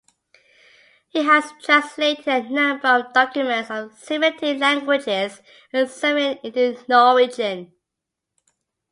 He has translated a number of documents from Semitic languages and Sumerian into Norwegian.